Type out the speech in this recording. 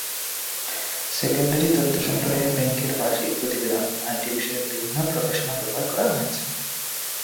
Secondary তথ্য সংগ্রহে ব্যাংকের বার্ষিক প্রতিবেদন, আইটিবিষয়ক বিভিন্ন প্রকাশনা ব্যবহার করা হয়েছে।